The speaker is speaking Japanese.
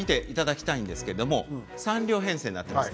３両編成になっています。